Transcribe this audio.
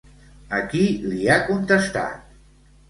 A qui li ha contestat?